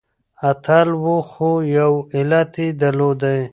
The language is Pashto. اتل و خو يو علت يې درلودی .